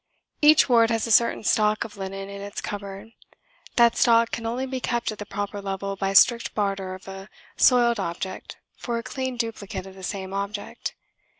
Each ward has a certain stock of linen in its cupboard. That stock can only be kept at the proper level by strict barter of a soiled object for a clean duplicate of the same object.